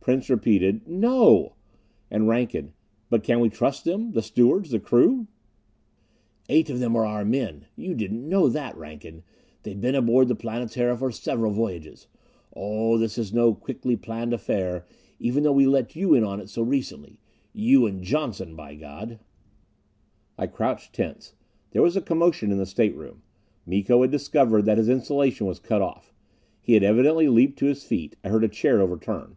Prince repeated: "No!" And Rankin: "But can we trust them? The stewards the crew?" "Eight of them are our own men! You didn't know that, Rankin? They've been aboard the Planetara for several voyages. Oh, this is no quickly planned affair, even though we let you in on it so recently. You and Johnson. By God!" I crouched tense. There was a commotion in the stateroom. Miko had discovered that his insulation was cut off! He had evidently leaped to his feet; I heard a chair overturn.